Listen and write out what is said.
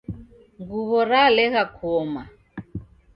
Nguw'o ralegha kuoma